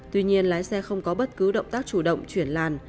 tuy nhiên lái xe không có bất cứ động tác chủ động chuyển làn